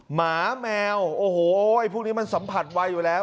หมาแมวโอ้โหพวกนี้มันสัมผัสไวอยู่แล้ว